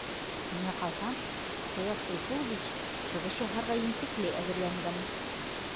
Миңә ҡалһа, Саяф Сайфуллович, сығыш яһарға ентекле әҙерләнгән.